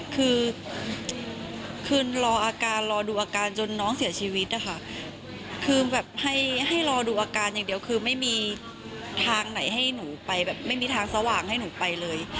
คือคือรออาการรอดูอาการจนน้องเสียชีวิตนะคะคือแบบให้รอดูอาการอย่างเดียวคือไม่มีทางไหนให้หนูไปแบบไม่มีทางสว่างให้หนูไปเลย